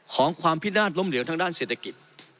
ของความพินาศล้มเหลวทางด้านเศรษฐกิจ